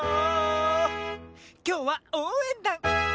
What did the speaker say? きょうはおうえんだん！